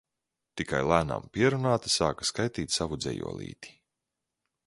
Tikai lēnām pierunāta sāka skaitīt savu dzejolīti.